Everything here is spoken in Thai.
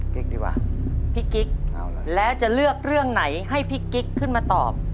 กิ๊กดีกว่าพี่กิ๊กแล้วจะเลือกเรื่องไหนให้พี่กิ๊กขึ้นมาตอบ